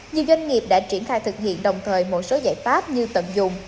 nhiều doanh nghiệp đã triển khai thực hiện đồng thời một số giải pháp như tận dụng